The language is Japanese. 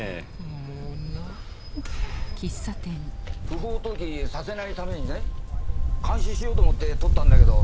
不法投棄させないためにね監視しようと思って撮ったんだけど。